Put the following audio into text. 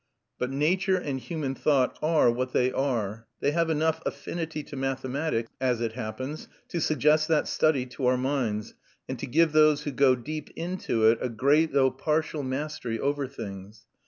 But nature and human thought are what they are; they have enough affinity to mathematics, as it happens, to suggest that study to our minds, and to give those who go deep into it a great, though partial, mastery over things.